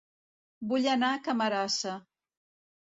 Vull anar a Camarasa